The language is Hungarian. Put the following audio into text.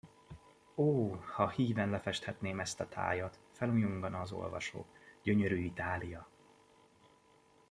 Ó, ha híven lefesthetném ezt a tájat, felujjongana az olvasó: Gyönyörű Itália!